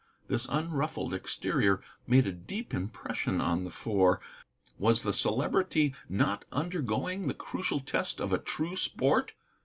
This unruffled exterior made a deep impression on the Four. Was the Celebrity not undergoing the crucial test of a true sport?